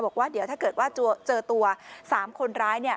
บอกว่าเดี๋ยวถ้าเกิดว่าเจอตัว๓คนร้าย